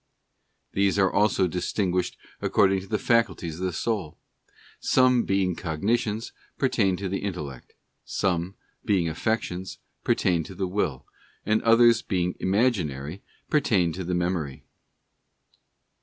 These are also distinguished according to the faculties of the soul. Some, being cognitions, pertain to the Intellect; some, being affections, pertain to the Will; and others, being imaginary, pertain to the Memory.